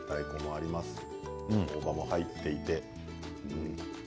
大葉も入っていて。